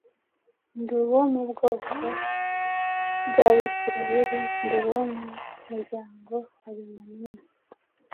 Ndi uwo mu bwoko bw’Abisirayeli, ndi uwo mu muryango wa Benyamini,